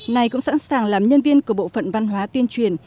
này cũng sẵn sàng làm nhân viên của bộ phận văn hóa tuyên truyền